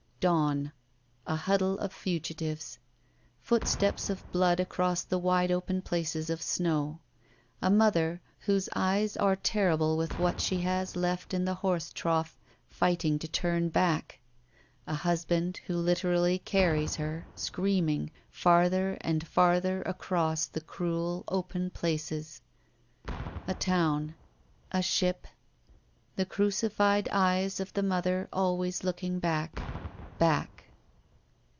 Dawn. A huddle of fugitives. Footsteps of blood across the wide open places of snow. A mother, whose eyes are terrible with what she has left in the horse trough, fighting to turn back. A husband who literally carries her, screaming, farther and farther across the cruel open places. A town. A ship. The crucified eyes of the mother always looking back. Back.